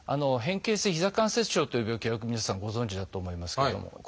「変形性膝関節症」という病気はよく皆さんご存じだと思いますけれども。